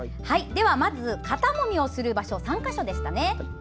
まず肩もみをする場所３か所でしたね。